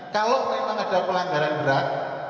kalau memang ada pelanggaran berat